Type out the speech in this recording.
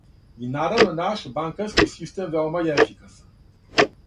И наравно, нас банкарски систем веома је ефикасан.